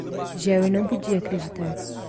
Jerry não podia acreditar.